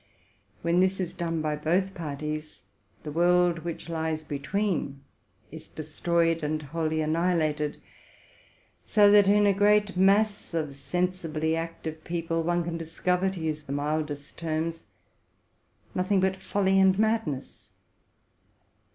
When this is done by both parties, the world which lies between is de stroyed and wholly annihilated ; so that, in a great mass of sensibly active people, one can discover, to use the mildest terms, nothing but folly and madness.